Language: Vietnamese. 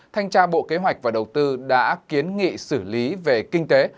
thanh tra bộ kế hoạch và đầu tư đã kiến nghị xử lý về kinh tế